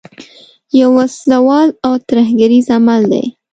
یو وسله وال او ترهګریز عمل دی.